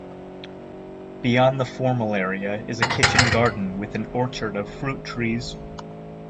Beyond the formal area is a kitchen garden with an orchard of fruit trees.